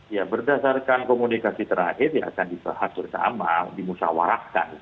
ya berdasarkan komunikasi terakhir ya akan diperhat bersama dimusawarakan